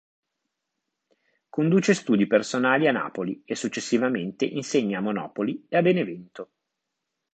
Conduce studi personali a Napoli e successivamente insegna a Monopoli e a Benevento.